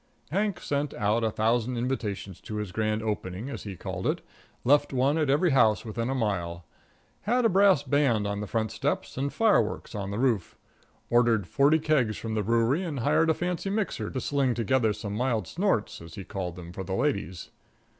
Hank sent out a thousand invitations to his grand opening, as he called it; left one at every house within a mile. Had a brass band on the front steps and fireworks on the roof. Ordered forty kegs from the brewery and hired a fancy mixer to sling together mild snorts, as he called them, for the ladies.